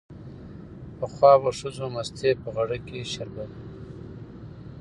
پخوا به ښځو مستې په غړګ کې شربلې